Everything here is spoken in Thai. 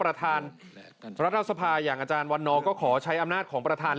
ประธานรัฐสภาอย่างอาจารย์วันนอร์ก็ขอใช้อำนาจของประธาน